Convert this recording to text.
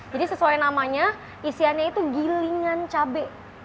jadi sesuai namanya isiannya itu gilingan cabai